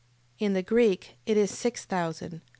In the Greek it is six thousand.